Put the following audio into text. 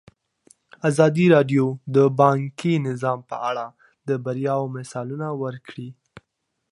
ازادي راډیو د بانکي نظام په اړه د بریاوو مثالونه ورکړي.